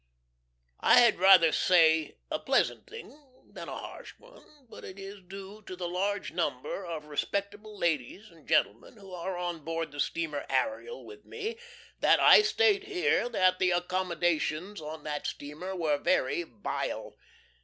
I had far rather say a pleasant thing than a harsh one; but it is due to the large number of respectable ladies and gentleman who were on board the steamer Ariel with me that I state here that the accommodations on that steamer were very vile.